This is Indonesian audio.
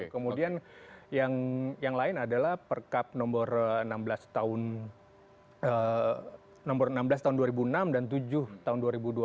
kemudian yang lain adalah perkap nomor enam belas tahun dua ribu enam dan tujuh tahun dua ribu dua belas